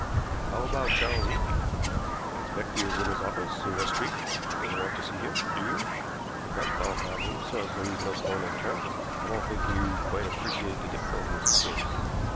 "How about Charles Eade?" "I expect he is in his office in West Street. I don't want to see him. Do you?" "We might call upon him so as to leave no stone unturned. I don't think you quite appreciate the difficulty of this case.